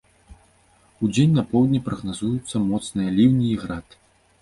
Удзень на поўдні прагназуюцца моцныя ліўні і град.